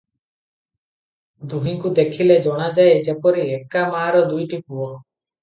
ଦୁହିଁଙ୍କୁ ଦେଖିଲେ ଜଣାଯାଏ ଯେପରି ଏକା ମାଆର ଦୁଇଟି ପୁଅ ।